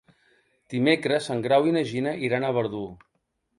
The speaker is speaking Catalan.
Dimecres en Grau i na Gina iran a Verdú.